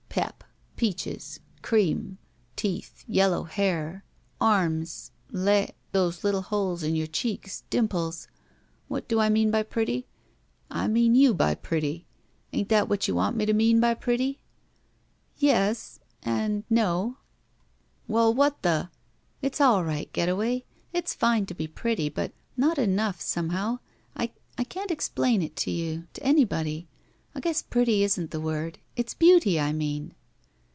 "Pep. Peaches. Cream. Teeth. Yellow hair. Arms. Le — those little holes in your cheeks. Dimples. What do I mean by pretty? I mean you by pretty. Ain't that what you want me to mean by pretty?" "Yes— and no—" 129 if THE VERTICAL CITY ••WeU, what the—" It's all right, Getaway. It's fine to be pretty, but — not enough — somehow. I — I can't explain it to you — ^to anybody. I guess pretty isn't the word. It's beauty I mean."